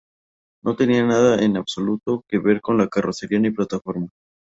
No tienen nada en absoluto que ver con la carrocería ni plataforma.